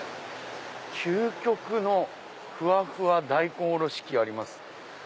「究極のふわふわ大根おろし器あります‼」。